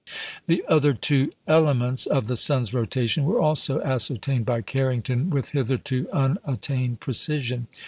The other two "elements" of the sun's rotation were also ascertained by Carrington with hitherto unattained precision.